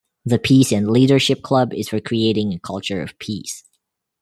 The Peace and Leadership Club is for creating a culture of peace.